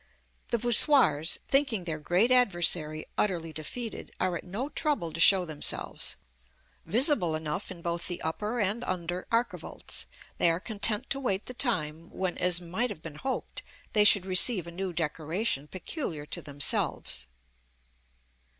The voussoirs, thinking their great adversary utterly defeated, are at no trouble to show themselves; visible enough in both the upper and under archivolts, they are content to wait the time when, as might have been hoped, they should receive a new decoration peculiar to themselves.